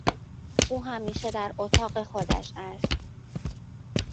او همیشه در اتاق خودش است.